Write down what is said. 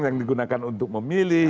yang digunakan untuk memilih